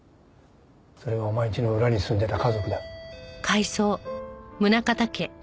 それがお前んちの裏に住んでた家族だ。